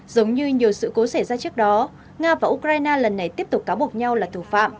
giống như nhiều sự cố xảy ra trước đó nga và ukraine lần này tiếp tục cáo buộc nhau là thủ phạm